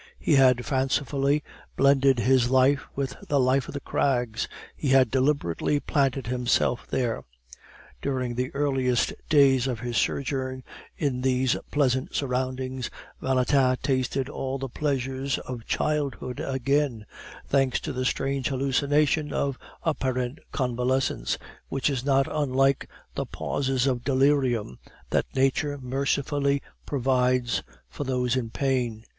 He had fancifully blended his life with the life of the crags; he had deliberately planted himself there. During the earliest days of his sojourn in these pleasant surroundings, Valentin tasted all the pleasures of childhood again, thanks to the strange hallucination of apparent convalescence, which is not unlike the pauses of delirium that nature mercifully provides for those in pain.